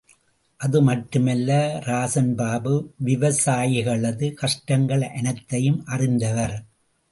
அது மட்டுமல்ல, ராஜன் பாபு விவசாயிகளது கஷ்டங்கள் அனைத்தையும் அறிந்தவர்.